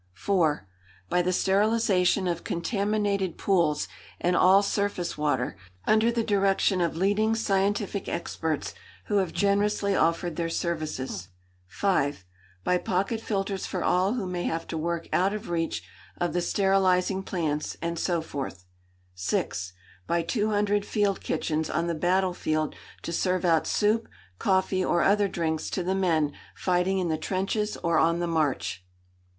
"4. By the sterilisation of contaminated pools and all surface water, under the direction of leading scientific experts who have generously offered their services. "5. By pocket filters for all who may have to work out of reach of the sterilising plants, and so forth. "6. By two hundred field kitchens on the battlefield to serve out soup, coffee or other drinks to the men fighting in the trenches or on the march."